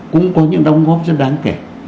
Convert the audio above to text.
cũng có những đóng góp rất đáng kể